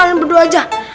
nah kita kalah